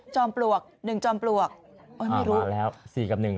จอมปลวกหนึ่งจอมปลวก